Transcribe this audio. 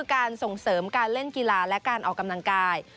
การส่งเสริมการเล่นกีฬาและการออกกำลังกาย